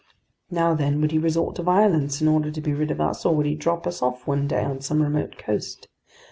Now then, would he resort to violence in order to be rid of us, or would he drop us off one day on some remote coast?